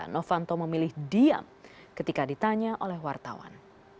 novanto memilih diam ketika ditanya oleh wartawan